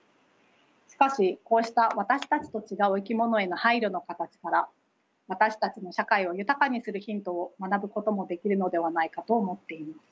しかしこうした私たちと違う生き物への配慮の形から私たちの社会を豊かにするヒントを学ぶこともできるのではないかと思っています。